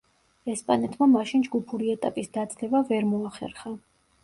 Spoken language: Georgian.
ესპანეთმა მაშინ ჯგუფური ეტაპის დაძლევა ვერ მოახერხა.